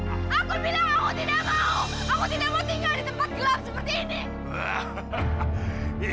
aku tidak mau tinggal di tempat gelap seperti ini